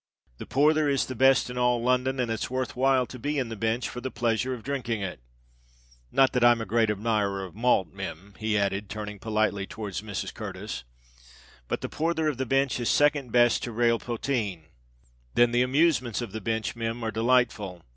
The porther is the best in all London; and it's worth while to be in the Binch for the pleasure of dhrinking it. Not that I'm a great admirer of malt, Mim," he added, turning politely towards Mrs. Curtis; "but the porther of the Binch is second best to rale potheen. Then the amusements of the Binch, Mim, are delightful!